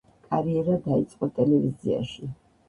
კარიერა დაიწყო ტელევიზიაში.